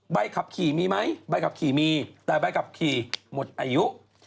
ใบขับขี่มีไหมใบขับขี่มีแต่ใบขับขี่หมดอายุ